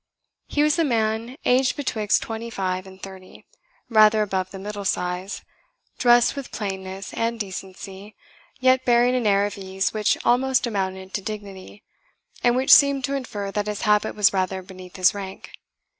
He was a man aged betwixt twenty five and thirty, rather above the middle size, dressed with plainness and decency, yet bearing an air of ease which almost amounted to dignity, and which seemed to infer that his habit was rather beneath his rank.